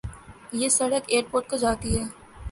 یہ سڑک airport کو جاتی ہے